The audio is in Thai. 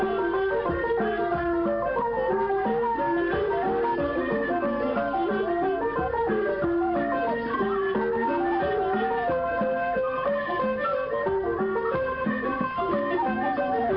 แล้วสำเร็จตะสารพลาดเทาวายเสียง